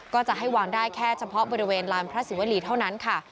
ก็จะให้วางได้แค่เฉพาะบริเวณลานพระศิวรีเท่านั้นค่ะ